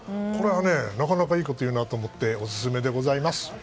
これは、なかなかいいこと言うなと思ってオススメでございます。